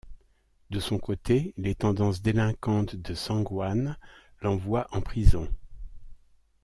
De son côté, les tendances délinquantes de Sang-hwan l’envoient en prison.